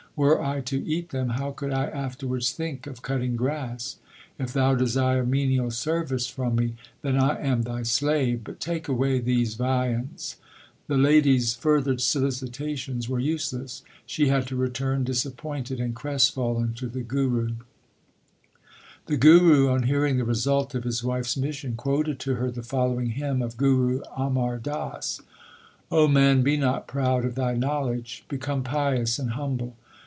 Were I to eat them, how could I afterwards think of cutting grass ? If thou desire menial service from me, then I am thy slave, but take away these viands/ The lady s further solicitations were useless. She had to return disappointed and crestfallen to the Guru. The Guru on hearing the result of his wife s mission quoted to her the following hymn of Guru Amar Das: O man, be not proud of thy knowledge ; become pious and humble.